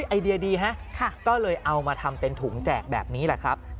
ไอเดียดีฮะก็เลยเอามาทำเป็นถุงแจกแบบนี้แหละครับ